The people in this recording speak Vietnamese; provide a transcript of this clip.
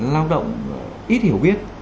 lao động ít hiểu biết